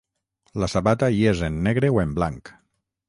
La sabata hi és en negre o en blanc.